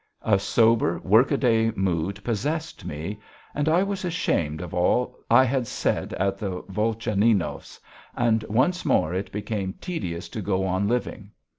A sober, workaday mood possessed me and I was ashamed of all I had said at the Volchaninovs', and once more it became tedious to go on living.